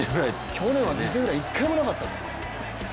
去年は犠牲フライ１回もなかったと。